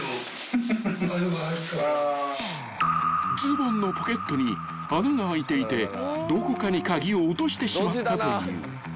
［ズボンのポケットに穴が開いていてどこかに鍵を落としてしまったという］